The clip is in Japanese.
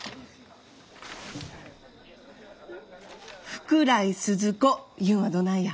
福来スズ子いうんはどないや？